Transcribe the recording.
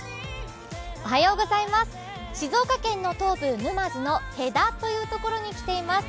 静岡県の東部、沼津の戸田というところに来ています。